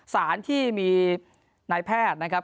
สารที่มีนายแพทย์นะครับ